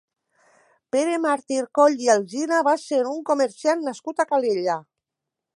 Pere Màrtir Coll i Alsina va ser un comerciant nascut a Calella.